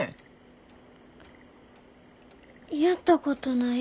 やったことない。